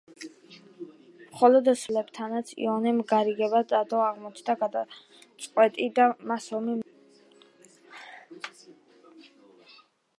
მხოლოდ ოსმალების დახმარება, რომლებთანაც იოანემ გარიგება დადო, აღმოჩნდა გადამწყვეტი და მას ომი მოაგებინა.